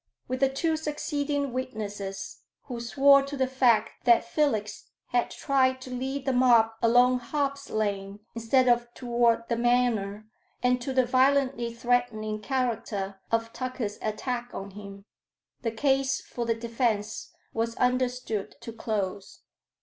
With the two succeeding witnesses, who swore to the fact that Felix had tried to lead the mob along Hobb's Lane instead of toward the Manor, and to the violently threatening character of Tucker's attack on him, the case for the defence was understood to close.